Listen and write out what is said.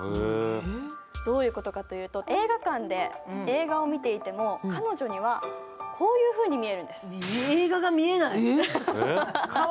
どういうことかというと、映画館で映画を見ていても、彼女にはこういうふうに見えるんです。